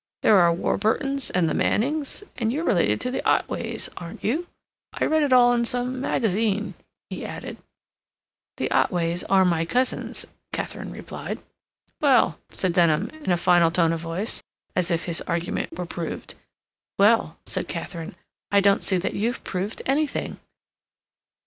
There are the Warburtons and the Mannings—and you're related to the Otways, aren't you? I read it all in some magazine," he added. "The Otways are my cousins," Katharine replied. "Well," said Denham, in a final tone of voice, as if his argument were proved. "Well," said Katharine, "I don't see that you've proved anything."